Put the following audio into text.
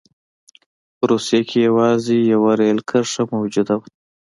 په روسیه کې یوازې یوه رېل کرښه موجوده وه.